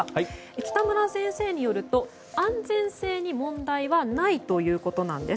北村先生によると安全性に問題はないということなんです。